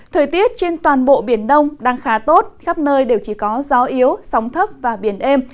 thời tiết trên toàn bộ biển đông đang khá tốt khắp nơi đều chỉ có gió yếu sóng thấp và biển êm